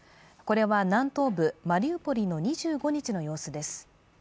これは南東部マリウポリの２５日の様子です。